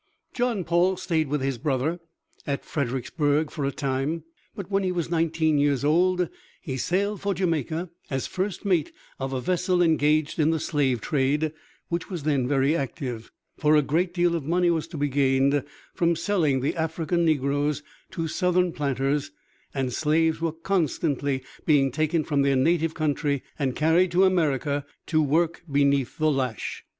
John Paul stayed with his brother at Fredericksburg for a time, but when he was nineteen years old he sailed for Jamaica as first mate of a vessel engaged in the slave trade, which was then very active, for a great deal of money was to be gained from selling the African negroes to Southern planters, and slaves were constantly being taken from their native country and carried to America to work beneath the lash.